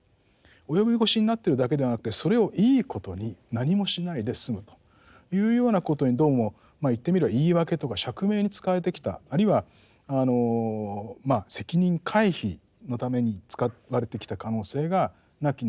及び腰になってるだけではなくてそれをいいことに何もしないで済むというようなことにどうも言ってみれば言い訳とか釈明に使われてきたあるいは責任回避のために使われてきた可能性がなきにしもあらずだった。